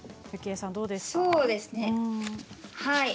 そうですね。